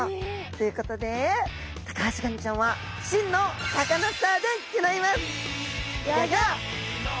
ということでタカアシガニちゃんは真のサカナスターでギョざいます！